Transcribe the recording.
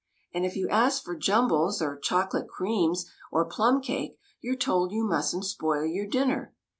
And if you ask for jumbles or chocolate creams or plum cake, you 're told you mustn't spoil your dinner.